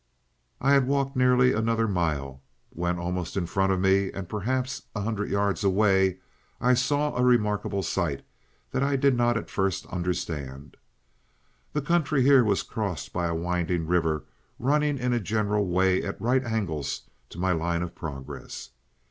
"I had walked nearly another mile, when almost in front of me, and perhaps a hundred yards away, I saw a remarkable sight that I did not at first understand. The country here was crossed by a winding river running in a general way at right angles to my line of progress.